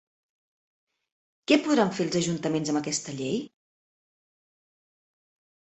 Què podran fer els ajuntaments amb aquesta llei?